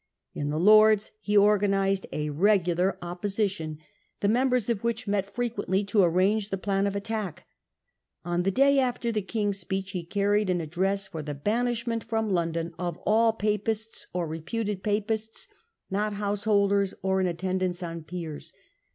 In the Lords he organised a regular opposition, the members of which met frequently to arrange the plan of attack. On the day after the King's speech he carried an address for the banishment from London of all Papists or reputed Papists, not householders or in attendance on peers.